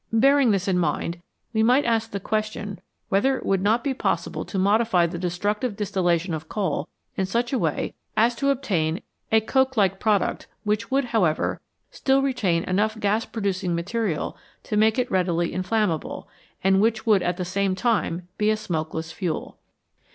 Bearing this in mind, we might ask the question whether it would not be possible to modify the destructive distillation of coal in such a way as to obtain a coke like product, which would, however, still retain enough gas producing material to make it readily inflammable, and which would at the same time be a smokeless fuel.